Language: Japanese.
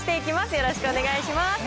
よろしくお願いします。